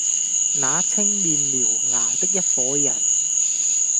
那青面獠牙的一夥人，